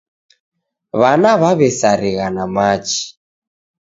W'ana w'aw'esarigha na machi.